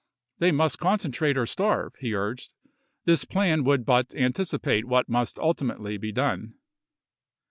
They must concentrate or starve, he urged ; this plan would but anticipate what must ultimately be done.